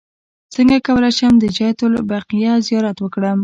څنګه کولی شم د جنت البقیع زیارت وکړم